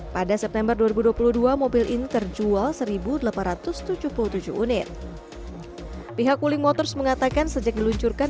pada september dua ribu dua puluh dua mobil ini terjual seribu delapan ratus tujuh puluh tujuh unit pihak wuling motors mengatakan sejak diluncurkan